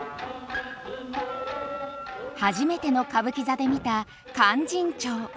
初めての歌舞伎座で見た「勧進帳」。